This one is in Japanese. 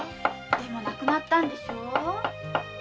でも亡くなったんでしょ？